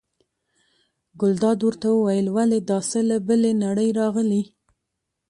ګلداد ورته وویل: ولې دا څه له بلې نړۍ راغلي.